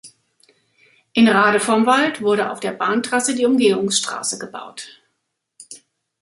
In Radevormwald wurde auf der Bahntrasse die Umgehungsstraße gebaut.